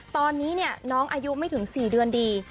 ตอนนี้น้องอายุไม่ถึง๔เดือนดี